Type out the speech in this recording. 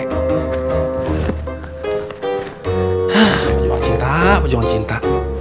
hahh bajuan cinta bajuan cinta